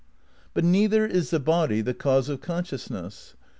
But neither is the body the cause of consciousness.